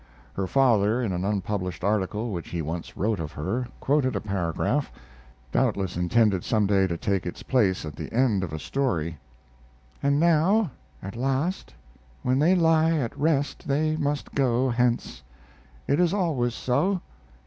Her father, in an unpublished article which he once wrote of her, quoted a paragraph, doubtless intended some day to take its place at the end of a story: And now at last when they lie at rest they must go hence. It is always so.